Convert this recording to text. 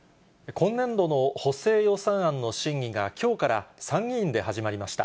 今年度の補正予算案の審議が、きょうから参議院で始まりました。